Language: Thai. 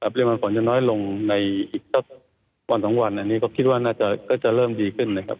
ปริมาณฝนจะน้อยลงในอีกสักวันสองวันอันนี้ก็คิดว่าน่าจะเริ่มดีขึ้นนะครับ